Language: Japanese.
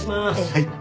はい。